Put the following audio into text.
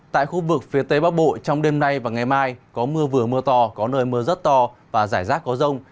tại khu vực phía tây bắc bộ trong đêm nay và ngày mai có mưa vừa mưa to có nơi mưa rất to và rải rác có rông